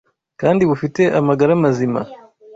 kandi bufite amagara mazima